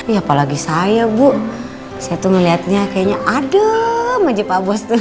ya apalagi saya bu saya tuh ngeliatnya kayaknya adem aja pak bos tuh